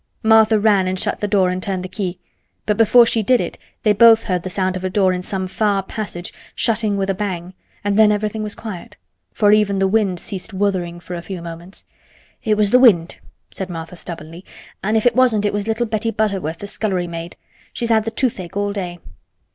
Martha ran and shut the door and turned the key, but before she did it they both heard the sound of a door in some far passage shutting with a bang, and then everything was quiet, for even the wind ceased "wutherin'" for a few moments. "It was th' wind," said Martha stubbornly. "An' if it wasn't, it was little Betty Butterworth, th' scullery maid. She's had th' toothache all day."